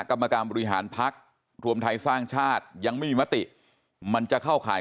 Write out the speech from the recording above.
กรรมการบริหารพักรวมไทยสร้างชาติยังไม่มีมติมันจะเข้าข่าย